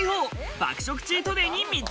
爆食チートデイに密着